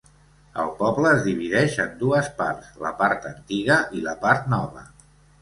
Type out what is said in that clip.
El poble es divideix en dues parts: la part antiga i la part nova.